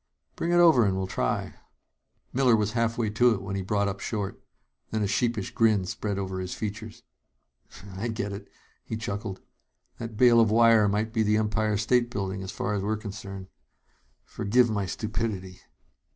"Bring it over and we'll try it." Miller was halfway to it when he brought up short. Then a sheepish grin spread over his features. "I get it," he chuckled. "That bale of wire might be the Empire State Building, as far as we're concerned. Forgive my stupidity."